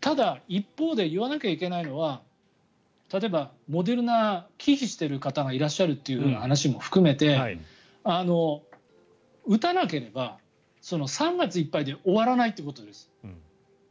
ただ、一方で言わなきゃいけないのは例えばモデルナ忌避している方がいらっしゃるという話も含めて打たなければ３月いっぱいで終わらないということです。